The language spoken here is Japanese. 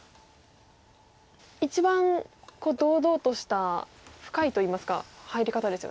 一番堂々とした深いといいますか入り方ですよね。